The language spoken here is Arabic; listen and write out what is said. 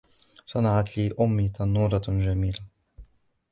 صنعت لي أمي تنورة جميلة.